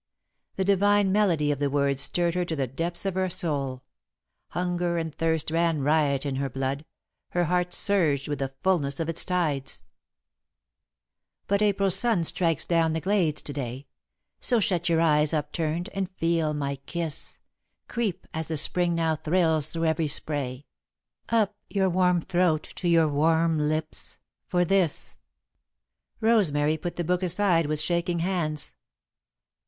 The divine melody of the words stirred her to the depths of her soul. Hunger and thirst ran riot in her blood; her heart surged with the fulness of its tides. [Sidenote: The Unknown Joy] "But April's sun strikes down the glades to day; So shut your eyes upturned, and feel my kiss Creep, as the Spring now thrills through every spray, Up your warm throat to your warm lips, for this...." Rosemary put the book aside with shaking hands.